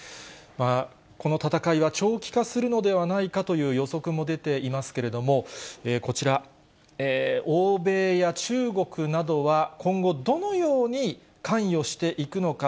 この戦いは長期化するのではないかという予測も出ていますけれども、こちら、欧米や中国などは今後、どのように関与していくのか。